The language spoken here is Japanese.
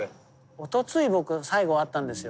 おとつい僕最後会ったんですよ。